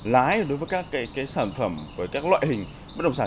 lái đối với các cái sản phẩm các loại hình bất động sản